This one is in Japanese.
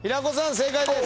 正解です。